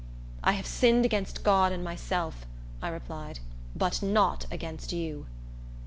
"I have sinned against God and myself," I replied; "but not against you."